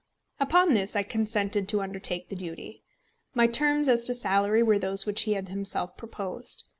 Upon this I consented to undertake the duty. My terms as to salary were those which he had himself proposed.